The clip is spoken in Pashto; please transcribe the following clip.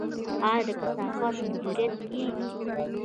آیا د کثافاتو مدیریت کیږي؟